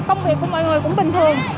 công việc của mọi người cũng bình thường